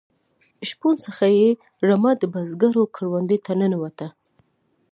شپون څخه یې رمه د بزگر کروندې ته ننوته.